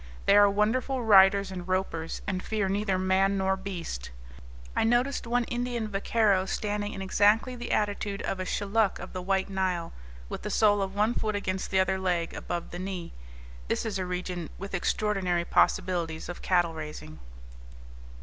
They are wonderful riders and ropers, and fear neither man nor beast. I noticed one Indian vaqueiro standing in exactly the attitude of a Shilluk of the White Nile, with the sole of one foot against the other leg, above the knee. This is a region with extraordinary possibilities of cattle raising.